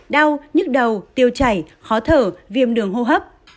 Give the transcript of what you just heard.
đau nhức đầu tiêu chảy khó thở viêm đường hô hấp